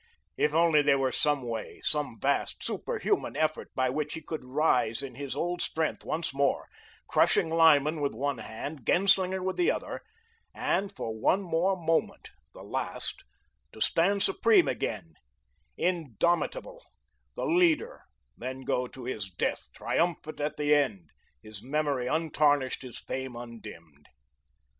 If there were only some way, some vast, superhuman effort by which he could rise in his old strength once more, crushing Lyman with one hand, Genslinger with the other, and for one more moment, the last, to stand supreme again, indomitable, the leader; then go to his death, triumphant at the end, his memory untarnished, his fame undimmed.